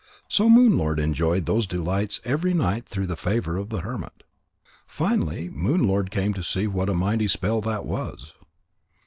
So Moon lord enjoyed those delights every night through the favour of the hermit. Finally Moon lord came to see what a mighty spell that was.